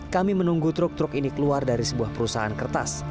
kami menunggu truk truk ini keluar dari sebuah perusahaan kertas